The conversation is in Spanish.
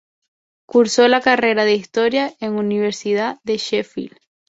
Cursó la carrera de historia en la Universidad de Sheffield.